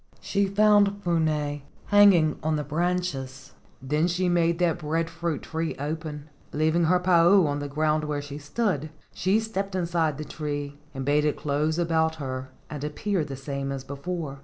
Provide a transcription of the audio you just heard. She found Puna hanging on the branches. Then she made that breadfruit tree open. Leav¬ ing her pa u on the ground where she stood, she stepped inside the tree and bade it close about her and appear the same as before.